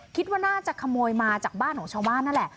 คิดว่าน่าจะขโมยมาจากบ้านของชาวบ้านนั่นแหละ